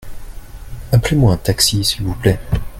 Appelez-moi un taxi s'il vous plait.